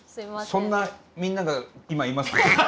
そんなみんなが今いますけど。